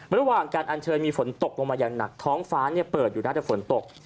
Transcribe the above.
ระหว่างการอัญเชิญมีฝนตกลงมาอย่างหนักท้องฟ้าเปิดอยู่น่าจะฝนตก